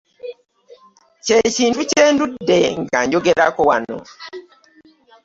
Kye kintu kye ndudde nga njogerako wano.